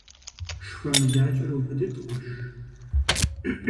ШхуэмылакӀэр убыдыт, къуэш.